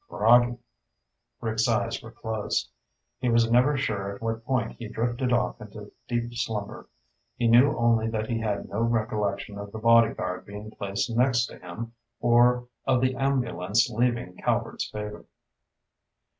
"Groggy." Rick's eyes were closed. He was never sure at what point he drifted off into deep slumber. He knew only that he had no recollection of the bodyguard being placed next to him or of the ambulance leaving Calvert's Favor.